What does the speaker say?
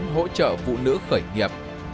hỗ trợ phụ nữ khởi nghiệp